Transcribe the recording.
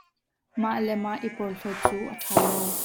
Mah le mah i porhlawt cu a ṭha lo.